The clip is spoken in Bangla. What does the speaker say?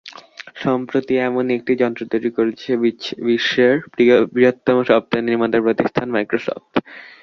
সম্প্রতি এমনই একটি যন্ত্র তৈরি করেছে বিশ্বের বৃহত্তম সফটওয়্যার নির্মাতা প্রতিষ্ঠান মাইক্রোসফট।